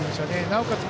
なおかつ